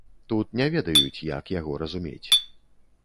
Тут не ведаюць, як яго разумець.